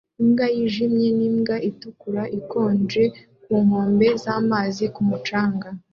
Imbwa yijimye n'imbwa itukura ikonja ku nkombe z'amazi ku mucanga